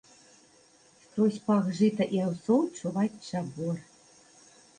Скрозь пах жыта і аўсоў чуваць чабор.